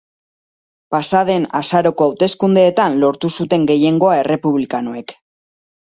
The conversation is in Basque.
Pasa den azaroko hauteskundeetan lortu zuten gehiengoa errepublikanoek.